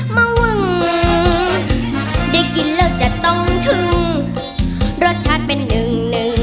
เมื่อพี่แกใบ้มโคลอ์ฟัง